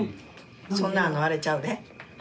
そんなあれちゃうで。